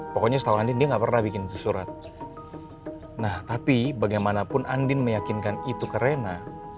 pokoknya setauan ini enggak pernah bikin surat nah tapi bagaimanapun andien meyakinkan itu karena